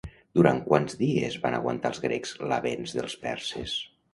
Durant quants dies van aguantar els grecs l'avenç dels perses?